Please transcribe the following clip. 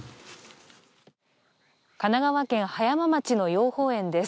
神奈川県葉山町の養蜂園です。